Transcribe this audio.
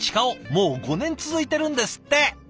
もう５年続いてるんですって！